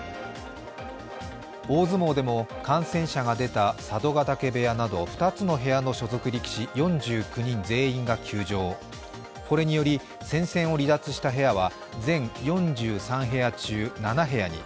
大相撲でも感染者が出た佐渡ヶ嶽部屋など２つの部屋の所属力士、４９人全員が休場、これにより戦線を離脱した部屋は全４３部屋中７部屋に。